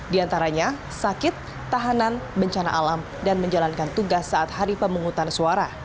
di antaranya sakit tahanan bencana alam dan menjalankan tugas saat hari pemungutan suara